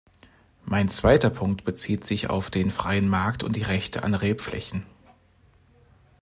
Mein zweiter Punkt bezieht sich auf den freien Markt und die Rechte an Rebflächen.